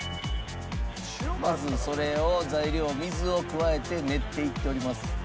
まずそれを材料を水を加えて練っていっております。